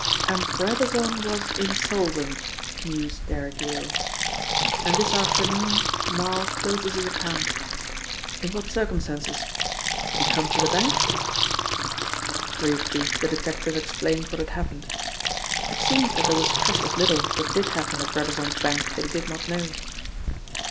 "And Brabazon was insolvent," mused Derrick Yale. "And this afternoon Marl closes his account. In what circumstances? Did he come to the bank?" Briefly the detective explained what had happened. It seemed that there was precious little that did happen at Brabazon's bank that he did not know.